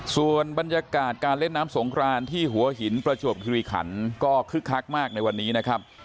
ส่วนบรรยากาศการเล่นน้ำสงครานที่หัวหินประจวบคิริขันก็คึกคักมากในวันนี้นะครับ